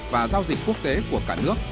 và giao dịch quốc tế của cả nước